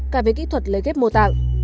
cả với kỹ thuật lấy ghép mô tạng